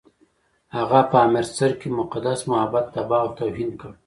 هغه په امرتسر کې مقدس معبد تباه او توهین کړ.